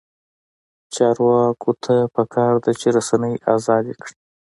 چارواکو ته پکار ده چې، رسنۍ ازادې کړي.